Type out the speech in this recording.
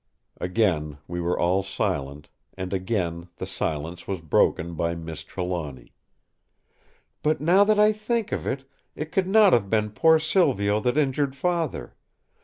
Again we were all silent; and again the silence was broken by Miss Trelawny: "But now that I think of it, it could not have been poor Silvio that injured Father.